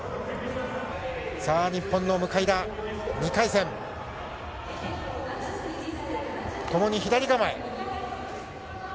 日本の向田、２回戦、ともに左構え。